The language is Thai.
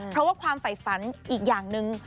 เพราะว่าความฝ่ายฝันอีกอย่างหนึ่ง